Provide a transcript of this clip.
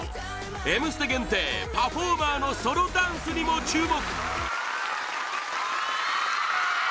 「Ｍステ」限定パフォーマーのソロダンスにも注目！